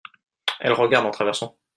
elle regarde en traversant.